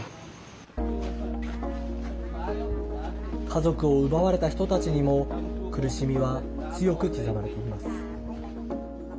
家族を奪われた人たちにも苦しみは強く刻まれています。